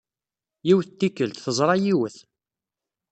Yiwet n tikkelt, teẓra yiwet.